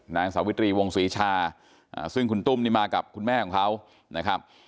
นางสาวิตรีวงศรีชาซึ่งคุณตุ้มนี่มากับคุณแม่ของเขานะครับ